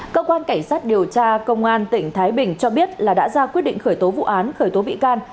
cơ quan cảnh sát điều tra công an tỉnh thái bình cho biết là đã ra quyết định khởi tố vụ án khởi tố bị can